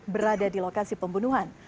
berada di lokasi pembunuhan